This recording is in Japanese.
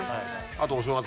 あとお正月